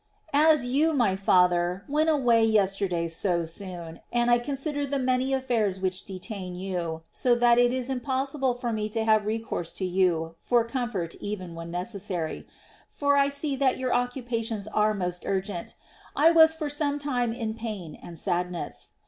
3. As you, my father, went away vesterday so T nr. ."^.. T . Detachment. soon, and I consider the many affans winch detam you, so that it is impossible for me to have recourse to you for comfort even when necessary, — for I see that your occupations are most urgent, — I was for some time in pain and sadness.